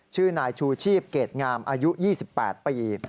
ชื่อนายชูชีพเกรดงามอายุ๒๘ปี